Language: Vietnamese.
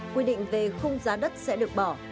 quy định về không giá đất sẽ được bỏ